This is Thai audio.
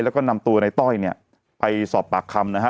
แล้วก็นำตัวในต้อยเนี่ยไปสอบปากคำนะฮะ